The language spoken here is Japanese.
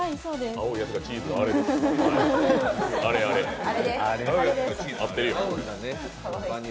青いやつがチーズのあれあれあれそうです。